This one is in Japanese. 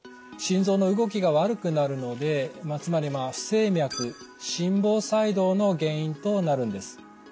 心臓の動きが悪くなるのでつまり不整脈心房細動の原因となるんです。